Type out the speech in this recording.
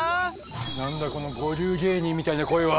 何だこの五流芸人みたいな声は？